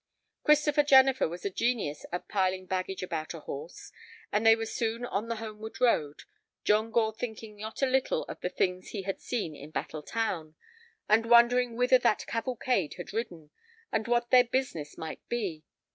Christopher Jennifer was a genius at piling baggage about a horse, and they were soon on the homeward road, John Gore thinking not a little of the things he had seen in Battle Town, and wondering whither that cavalcade had ridden, and what their business might be.